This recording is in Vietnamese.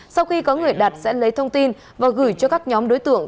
sau khi có người đặt sẽ lấy thông tin và gửi cho các nhóm đối tượng